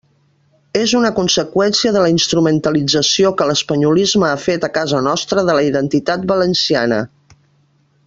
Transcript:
És una conseqüència de la instrumentalització que l'espanyolisme ha fet a casa nostra de la identitat valenciana.